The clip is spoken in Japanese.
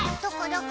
どこ？